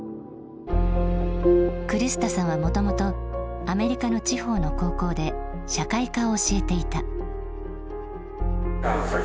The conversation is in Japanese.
クリスタさんはもともとアメリカの地方の高校で社会科を教えていた。